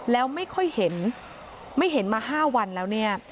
แล้วไม่ค่อยเห็นไม่เห็นมา๕วันแล้วเนี่ย